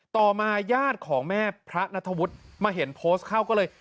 ต่อมาญาติของแม่พระนัทวุฒิมาเห็นโพสต์เข้าก็เลย